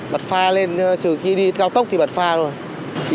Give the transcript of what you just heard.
bật pha lên trừ khi đi cao tốc thì bật pha rồi